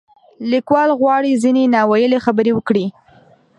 لیکوال غواړي ځینې نا ویلې خبرې وکړي.